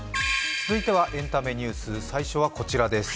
続いてはエンタメニュース、最初はこちらです。